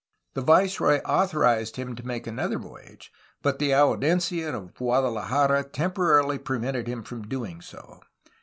The viceroy authorized him to make another voyage, but the Audiencia of Guadalajara temporarily prevented him from doing so.